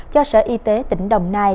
cho sở y tế tỉnh đồng nai